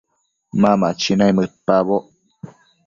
Ma machi naimëdpaboc